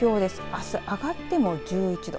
あす上がっても１１度。